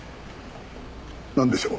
なんでしょう？